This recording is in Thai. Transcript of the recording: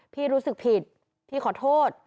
รู้สึกผิดพี่ขอโทษ